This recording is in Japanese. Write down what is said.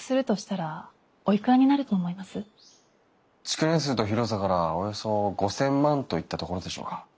築年数と広さからおよそ５，０００万円といったところでしょうか。